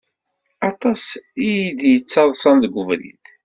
Aṭas iyi-d-yettaḍsan deg ubrid.